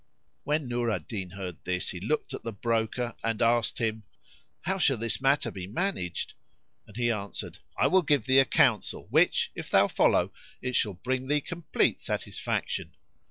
When Nur al Din heard this he looked at the broker and asked him, "How shall this matter be managed?"; and he answered, "I will give thee a counsel which, if thou follow, it shall bring thee complete satisfaction."